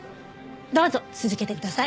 どうぞ続けてください。